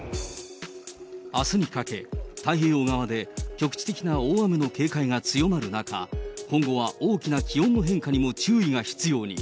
あすにかけ、太平洋側で局地的な大雨の警戒が強まる中、今後は大きな気温の変化にも注意が必要に。